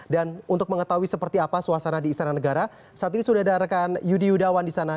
dan untuk mengetahui seperti apa suasana di istana negara saat ini sudah ada adakan yudi yudawan di sana